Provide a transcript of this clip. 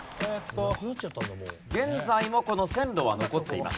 現在もこの線路は残っています。